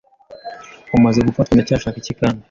umaze gufatwa ndacyashaka iki kandi